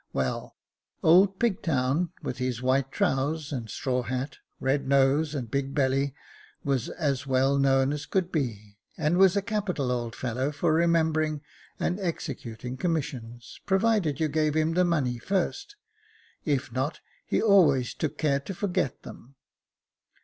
Well, old Pigtown, with his white trowsers and straw hat, red nose and big belly, was as well known as could be, and was a capital old fellow for remembering and executing commissions, provided you gave him the money first ; if not, he always took care to forget them.